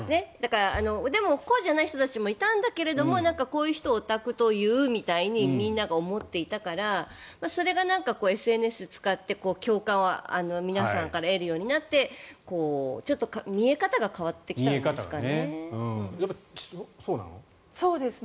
こうじゃない人もいたんだけどこういう人をオタクというみたいにみんなが思っていたからそれがＳＮＳを使って、共感を皆さんから得るようになってちょっと見え方が変わってきたんですかね。